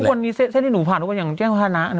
ทุกวันนี้เศรษฐ์ที่หนูผ่านอย่างเจ้งฮานะ